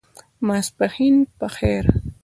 ماسپښېن په خیر !